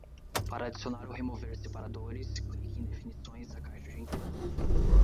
Para adicionar ou remover separadores, clique em definições da caixa de entrada.